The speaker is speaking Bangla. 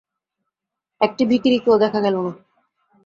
একটি ভিখিরিকেও দেখা গেল না।